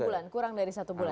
enam bulan kurang dari satu bulan